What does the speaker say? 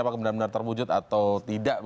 apakah benar benar terwujud atau tidak